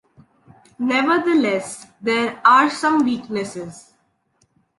Nevertheless, there are some weaknesses.